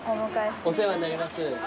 お世話になります。